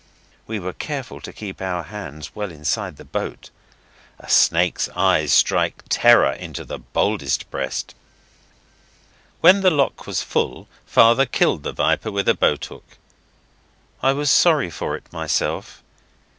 We were careful to keep our hands well inside the boat. A snake's eyes strike terror into the boldest breast. When the lock was full father killed the viper with a boat hook. I was sorry for it myself.